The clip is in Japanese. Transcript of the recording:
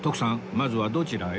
まずはどちらへ？